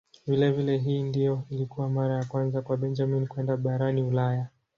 Vilevile hii ndiyo ilikuwa mara ya kwanza kwa Benjamin kwenda barani Ulaya.